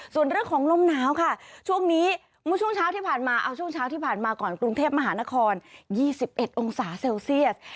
ส่วนเรื่องของลมหนาวค่ะช่วงนี้ช่วงเช้าที่ผ่านมาก่อนกรุงเทพมหานคร๒๑องศาเซลเซียส